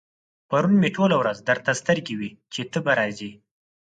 پرون مې ټوله ورځ درته سترګې وې چې ته به راځې.